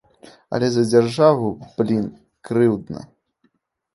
Але за дзяржаву, блін, крыўдна.